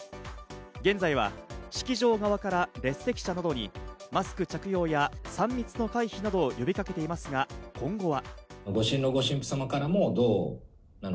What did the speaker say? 現在は式場側から列席者等にマスク着用や、３密の回避などを呼びかけていますが、今後は。